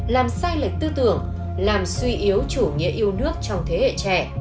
làm sai lệch tư tưởng làm suy yếu chủ nghĩa yêu nước trong thế hệ trẻ